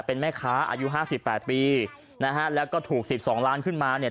เป็นแม่ค้าอายุห้าสิบแปดปีนะฮะแล้วก็ถูกสิบสองล้านขึ้นมาเนี่ย